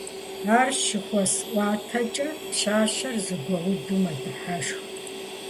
Ар щыхуэсӀуатэкӀэ, пщащэр зэгуэуду мэдыхьэшх.